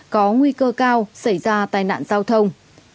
có nguy cơ cao xảy ra tai nạn giao thông